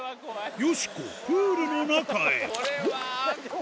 よしこ、プールの中へ。